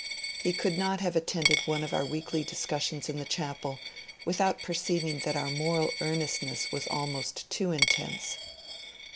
He could not have attended one of our weekly dis cussions in the chapel without perceiving that our moral ear nestness was almost too intense.